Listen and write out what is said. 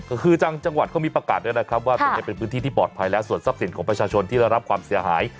ก็คือทางจังหวัดเขามีประกาศด้วยนะครับว่าตรงนี้เป็นพื้นที่ที่ปลอดภัยแล้วส่วนทรัพย์สินของประชาชนที่ได้รับความเสียหาย